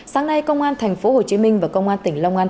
sáng nay công an tp hcm và công an tỉnh long an